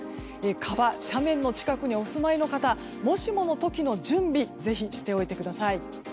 川、斜面の近くにお住まいの方もしもの時の準備ぜひしておいてください。